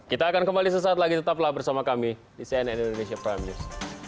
kita akan kembali sesaat lagi tetaplah bersama kami di cnn indonesia prime news